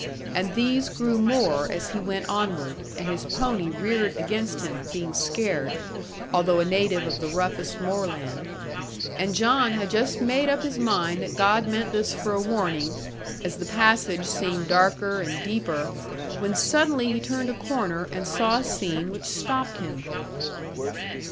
And these grew more as he went onward, and his pony reared against him, being scared, although a native of the roughest moorland. And John had just made up his mind that God meant this for a warning, as the passage seemed darker and deeper, when suddenly he turned a corner, and saw a scene which stopped him.